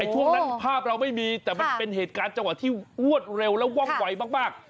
ช่วงนั้นภาพเราไม่มีแต่มันเป็นเหตุการณ์จังหวะที่รวดเร็วและว่องไวมาก